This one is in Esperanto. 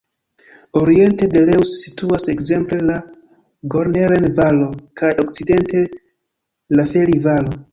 Oriente de Reuss situas ekzemple la "Gorneren-Valo" kaj okcidente la "Felli-Valo".